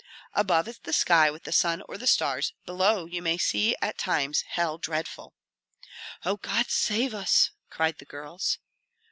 Above is the sky with the sun or the stars; below you may see at times hell dreadful " "Oh, God save us!" cried the girls.